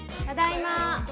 ただいま